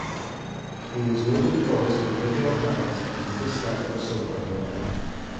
He was noted for his convivial habits and his dislike of soap and water.